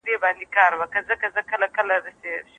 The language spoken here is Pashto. ستا د زلفو په خنجر کې را ايسار دی